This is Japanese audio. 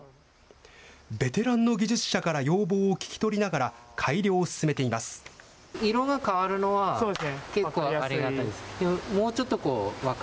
ベテランの技術者から要望を聞き取りながら、改良を進めています。